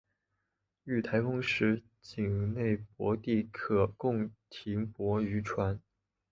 遇台风时仅内泊地可供停泊渔船。